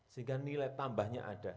sehingga nilai tambahnya ada